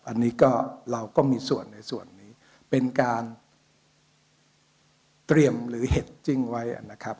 อันนี้ก็เราก็มีส่วนในส่วนนี้เป็นการเตรียมหรือเหตุจริงไว้นะครับ